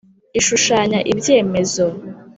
Ishushanya ibyemezo